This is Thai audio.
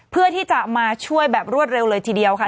เพื่อที่จะมาช่วยแบบรวดเร็วเลยทีเดียวค่ะ